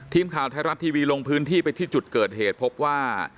ทีมข่าวไทยรัฐทีวีลงพื้นที่ไปที่จุดเกิดเหตุพบว่า